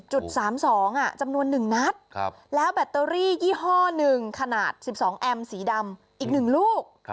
๓๒จำนวน๑นัดแล้วแบตเตอรี่ยี่ห้อหนึ่งขนาด๑๒แอมป์สีดำอีก๑ลูก